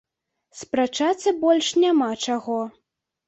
Спрачацца больш няма чаго.